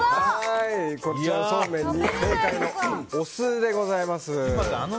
こちらのそうめんにお酢でございます。